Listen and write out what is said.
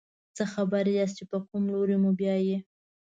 څه خبر یاست چې په کوم لوري موبیايي.